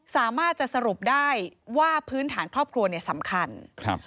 สามารถจะสรุปได้ว่าพื้นฐานครอบครัวเนี่ยสำคัญครับ